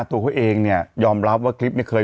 ตัวเขาเองเนี่ยยอมรับว่าคลิปเนี่ยเคย